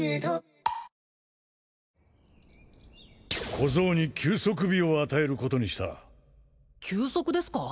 小僧に休息日を与えることにした休息ですか？